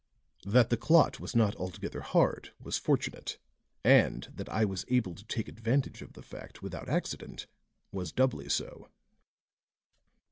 That the clot was not altogether hard was fortunate; and that I was able to take advantage of the fact without accident was doubly so."